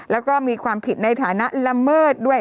แล้วก็มีความผิดในฐานะละเมิดด้วย